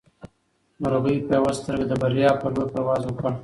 مرغۍ په یوه سترګه د بریا په لور پرواز وکړ.